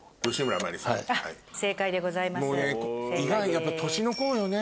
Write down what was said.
やっぱ年の功よね。